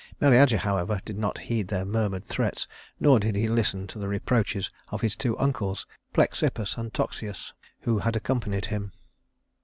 Meleager, however, did not heed their murmured threats, nor did he listen to the reproaches of his two uncles, Plexippus and Toxeus, who had accompanied him.